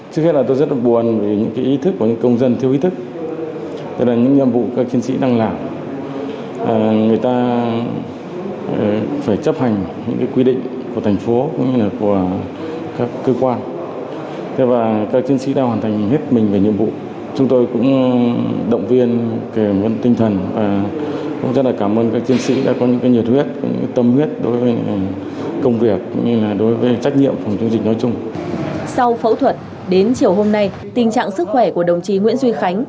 sau phẫu thuật đến chiều hôm nay tình trạng sức khỏe của đồng chí nguyễn duy khánh